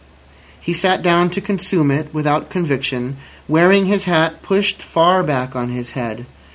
He sat down to consume it without conviction, wearing his hat pushed far back on his head.